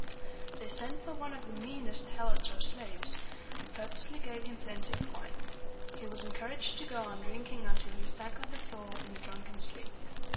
They sent for one of the meanest Helots or slaves, and purposely gave him plenty of wine. He was encouraged to go on drinking until he sank on the floor in a drunken sleep.